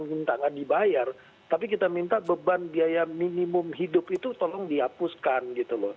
minta nggak dibayar tapi kita minta beban biaya minimum hidup itu tolong dihapuskan gitu loh